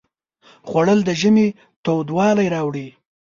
خوړل د ژمي تودوالی راوړي